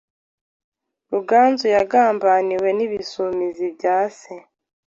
Ruganzu yagambaniwe n’Ibisumizi byase